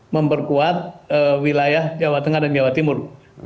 memperkuat wilayah jawa tengah dan jawa timur